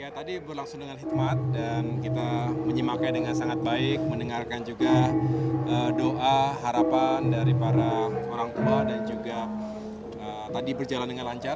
tadi berlangsung dengan hikmat dan kita menyimakai dengan sangat baik mendengarkan juga doa harapan dari para orang tua dan juga tadi berjalan dengan lancar